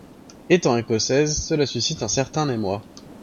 Étant écossaise, cela suscite un certain émoi.